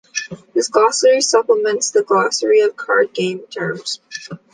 This glossary supplements the Glossary of card game terms.